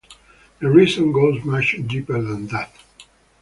The reason goes much deeper than that.